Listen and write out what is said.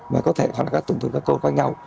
và có thể hoặc là tổn thương các cơ quan nhau